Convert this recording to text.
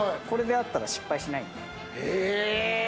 これでやったら失敗しない。